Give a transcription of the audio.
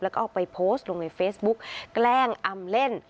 แล้วก็เอาไปโพสต์ลงในเฟซบุ๊กแกล้งอำเล่น